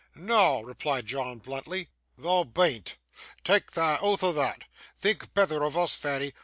'Noa!' replied John bluntly, 'thou bean't. Tak' thy oath o' thot. Think betther o' us, Fanny.